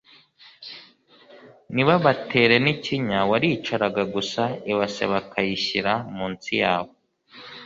ntibabatere n’ikinya…waricaraga gusa ibase bakayishyira munsi yawe